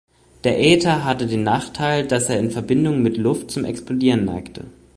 Der Äther hatte den Nachteil, dass er in Verbindung mit Luft zum Explodieren neigte.